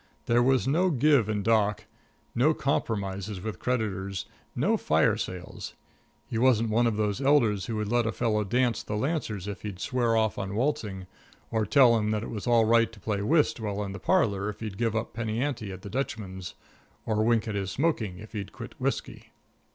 There was no give in Doc; no compromises with creditors; no fire sales. He wasn't one of those elders who would let a fellow dance the lancers if he'd swear off on waltzing; or tell him it was all right to play whist in the parlor if he'd give up penny ante at the Dutchman's; or wink at his smoking if he'd quit whisky.